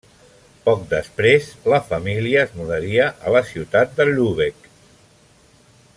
Poc després, la família es mudaria a la ciutat de Lübeck.